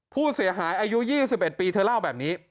ผู้เสียหายอายุ๒๑ปีเธอเล่าแบบนี้